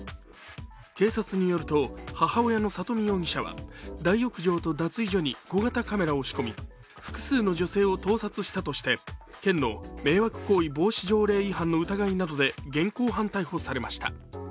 警察によると母親の佐登美容疑者は大浴場と脱衣所に小型カメラを仕込み複数の女性を盗撮したとして県の迷惑行為防止条例違反の疑いなどで現行犯逮捕されました。